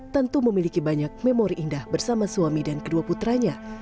tentu memiliki banyak memori indah bersama suami dan kedua putranya